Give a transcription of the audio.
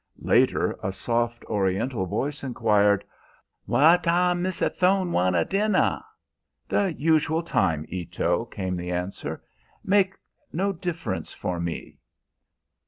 Later a soft Oriental voice inquired, "Wha' time Missa Tho'ne wanta dinna?" "The usual time, Ito," came the answer; "make no difference for me."